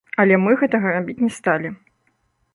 Але мы гэтага рабіць не сталі.